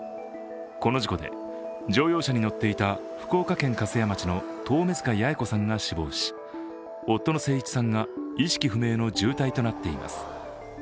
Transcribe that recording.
この事故で乗用車に乗っていた福岡県粕屋町の遠目塚八重子さんが死亡し夫の征一さんが意識不明の重体となっています。